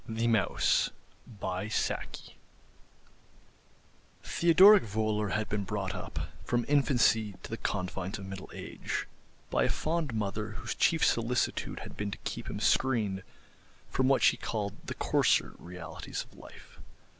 THE MOUSE Theodoric Voler had been brought up, from infancy to the confines of middle age, by a fond mother whose chief solicitude had been to keep him screened from what she called the coarser realities of life.